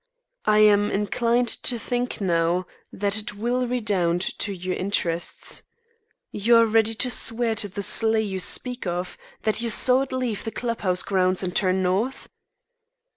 I am inclined to think now that it will redound to your interests. You are ready to swear to the sleigh you speak of; that you saw it leave the club house grounds and turn north?"